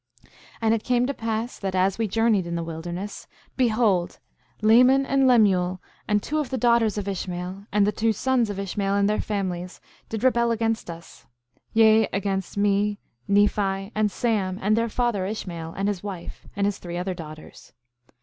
7:6 And it came to pass that as we journeyed in the wilderness, behold Laman and Lemuel, and two of the daughters of Ishmael, and the two sons of Ishmael and their families, did rebel against us; yea, against me, Nephi, and Sam, and their father, Ishmael, and his wife, and his three other daughters.